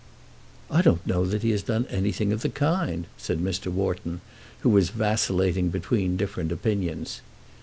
"I don't know that he has done anything of the kind," said Mr. Wharton, who was vacillating between different opinions.